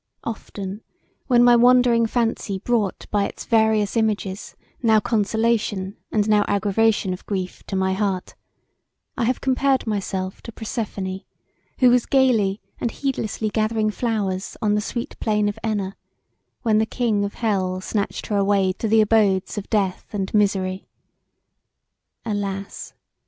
Often, when my wandering fancy brought by its various images now consolation and now aggravation of grief to my heart, I have compared myself to Proserpine who was gaily and heedlessly gathering flowers on the sweet plain of Enna, when the King of Hell snatched her away to the abodes of death and misery. Alas!